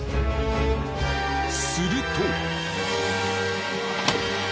すると。